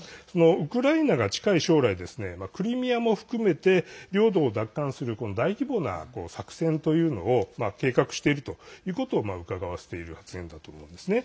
ウクライナが近い将来クリミアも含めて領土を奪還する大規模な作戦というのを計画しているということをうかがわせている発言だと思うんですね。